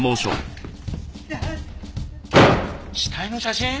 死体の写真？